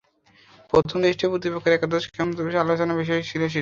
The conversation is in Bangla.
প্রথম টেস্টে প্রতিপক্ষের একাদশ কেমন হতে পারে, আলোচনার বিষয় ছিল সেটাই।